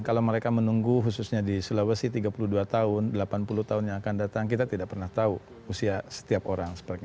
kalau mereka menunggu khususnya di sulawesi tiga puluh dua tahun delapan puluh tahun yang akan datang kita tidak pernah tahu usia setiap orang